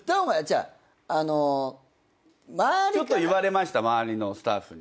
ちょっと言われました周りのスタッフに。